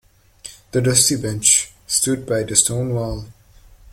The dusty bench stood by the stone wall.